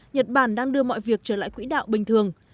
nhật bản đang đưa mọi việc trở lại quỹ đạo bình thường